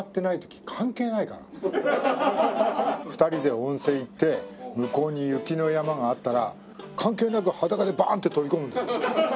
２人で温泉行って向こうに雪の山があったら関係なく裸でバァーンって飛び込むんだよ。